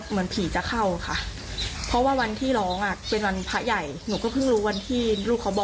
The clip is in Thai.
สรุปว่าเขาเป็นอะไรอะครับ